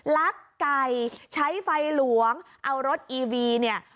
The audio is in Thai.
ลักไก่ใช้ไฟหลวงเอารถอีวีเนี่ย